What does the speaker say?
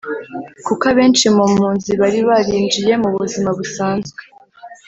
kuko abenshi mu mpunzi bari barinjiye mu buzima busanzwe,